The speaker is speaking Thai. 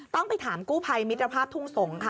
ต้องไปถามกู้ภัยมิตรภาพทุ่งสงศ์ค่ะ